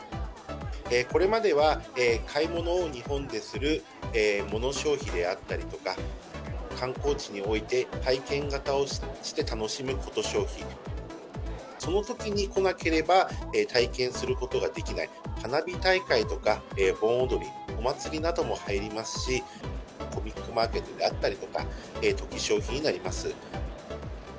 これまでは買い物を日本でするモノ消費であったりとか、観光地において体験型をして楽しむコト消費、そのときに来なければ体験することができない、花火大会とか盆踊り、お祭りなども入りますし、コミックマーケットであったりとか、トキ消費になります。